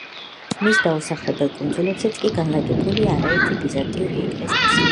მის დაუსახლებელ კუნძულებზეც კი განლაგებულია არაერთი ბიზანტიური ეკლესია და შუა საუკუნეების ციხესიმაგრე.